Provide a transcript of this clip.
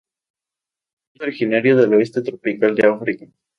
Es originario del oeste tropical de África.